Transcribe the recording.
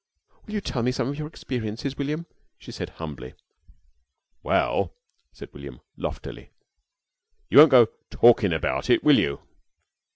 "Will you tell me some of your experiences, William?" she said, humbly. "Well," said William, loftily, "you won't go talkin' about it, will you?"